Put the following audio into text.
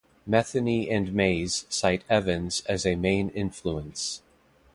Metheny and Mays cite Evans as a main influence.